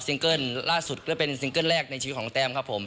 เกิ้ลล่าสุดก็เป็นซิงเกิ้ลแรกในชีวิตของแต้มครับผม